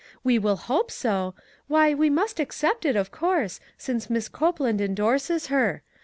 We will hope so; why, we must accept it, of course, since Miss Copeland indorses her.